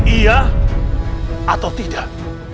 iya atau tidak